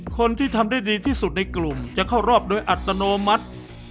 คนที่ทำได้ดีที่สุดในกลุ่มจะเข้ารอบโดยอัตโนมัติ